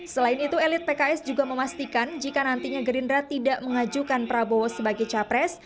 selain itu elit pks juga memastikan jika nantinya gerindra tidak mengajukan prabowo sebagai capres